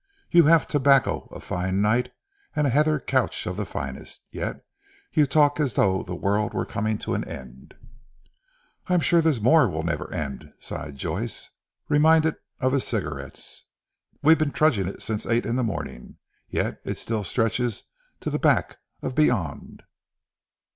"You have tobacco, a fine night, and a heather couch of the finest, yet you talk as though the world were coming to an end." "I'm sure this moor never will," sighed Joyce, reminded of his cigarettes, "we have been trudging it since eight in the morning, yet it still stretches to the back of beyond.